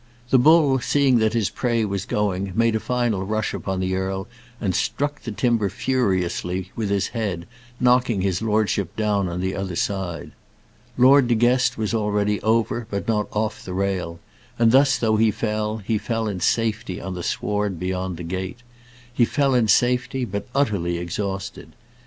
The bull seeing that his prey was going, made a final rush upon the earl and struck the timber furiously with his head, knocking his lordship down on the other side. Lord De Guest was already over, but not off the rail; and thus, though he fell, he fell in safety on the sward beyond the gate. He fell in safety, but utterly exhausted.